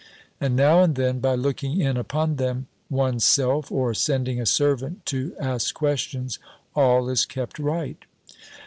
And now and then, by looking in upon them one's self, or sending a servant to ask questions, all is kept right.